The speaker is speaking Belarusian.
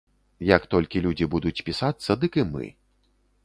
Як толькі людзі будуць пісацца, дык і мы.